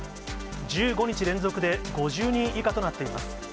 １５日連続で５０人以下となっています。